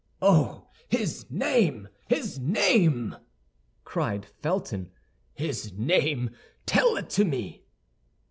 '" "Oh, his name, his name!" cried Felton. "His name, tell it me!"